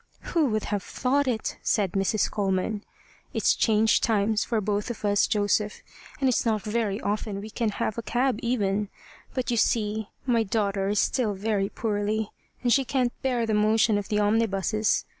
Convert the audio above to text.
"Who would have thought it?" said Mrs. Coleman. "It's changed times for both of us, Joseph, and it's not very often we can have a cab even; but you see my daughter is still very poorly, and she can't bear the motion of the omnibuses.